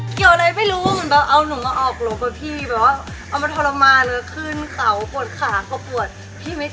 เกี่ยวอะไรไม่รู้เหมือนแบบเอาหนูมาออกหลบอ่ะพี่แบบว่าเอามาทรมานเลยขึ้นเขาปวดขาก็ปวดพี่ไม่